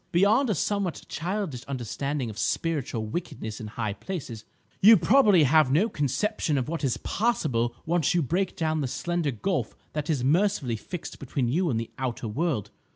Beyond a somewhat childish understanding of 'spiritual wickedness in high places,' you probably have no conception of what is possible once you break down the slender gulf that is mercifully fixed between you and that Outer World.